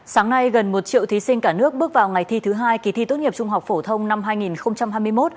sáng nay gần một triệu thí sinh cả nước bước vào ngày thi thứ hai kỳ thi tốt nghiệp trung học phổ thông năm hai nghìn hai mươi một